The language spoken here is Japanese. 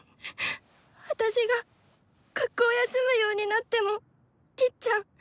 私が学校休むようになってもりっちゃん